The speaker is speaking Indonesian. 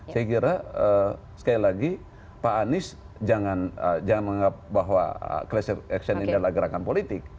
saya kira sekali lagi pak anies jangan menganggap bahwa classir action ini adalah gerakan politik